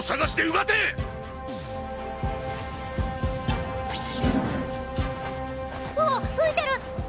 うわっ浮いてる！